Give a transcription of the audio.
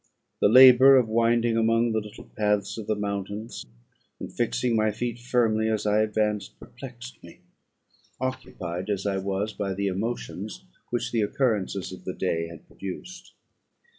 The labour of winding among the little paths of the mountains, and fixing my feet firmly as I advanced, perplexed me, occupied as I was by the emotions which the occurrences of the day had produced.